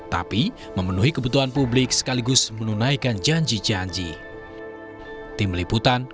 tapi memenuhi kebutuhan publik sekaligus menunaikan janji janji